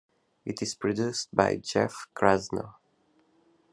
It is produced by Jeff Krasno.